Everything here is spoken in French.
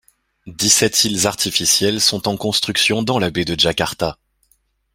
Dix-sept iles artificielles sont en construction dans la baie de Jakarta.